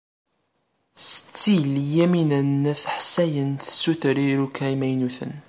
Setti Lyamina n At Ḥsayen tessuter iruka imaynuten.